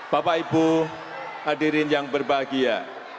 bapak ibu hadirin yang berbahagia